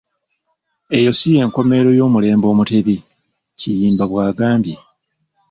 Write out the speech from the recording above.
"Eyo ssi yenkola ey'omulembe Omutebi,” Kiyimba bwagambye.